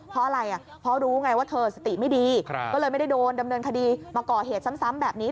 เพราะอะไรเพราะรู้ไงว่าเธอสติไม่ดีก็เลยไม่ได้โดนดำเนินคดีมาก่อเหตุซ้ำแบบนี้